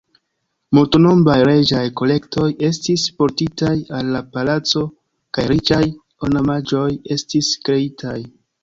Multnombraj reĝaj kolektoj estis portitaj al la palaco kaj riĉaj ornamaĵoj estis kreitaj.